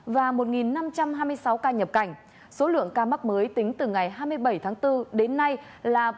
và một năm trăm hai mươi sáu ca nhập cảnh số lượng ca mắc mới tính từ ngày hai mươi bảy tháng bốn đến nay là bốn tám trăm bảy mươi sáu ca